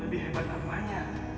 lebih hebat namanya